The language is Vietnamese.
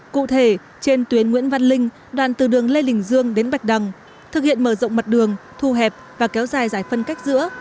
cụ thể trên tuyến nguyễn văn linh đoàn từ đường lê lình dương đến bạch đằng thực hiện mở rộng mặt đường thu hẹp và kéo dài giải phân cách giữa